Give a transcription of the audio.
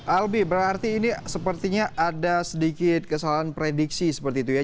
albi berarti ini sepertinya ada sedikit kesalahan prediksi seperti itu ya